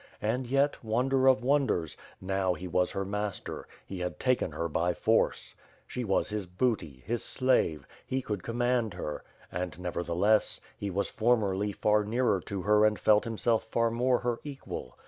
And yet, wonder of wonders, now, he was her master; he had taken her by force. She was his booty, his slave, he could command her — and nevertheless, he was formerly far nearer to her and felt himself far more her equal.